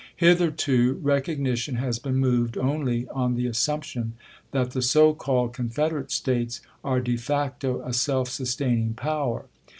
Hitherto recognition has been moved only on the assiunption that the so called Confederate States are de facto a self sustaining power.